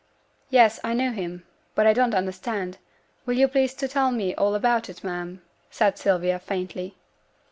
'Yes, I knew him; but I don't understand. Will yo' please to tell me all about it, ma'am?' said Sylvia, faintly.